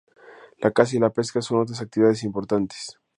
La caza y la pesca son otras actividades importantes.